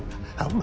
あ！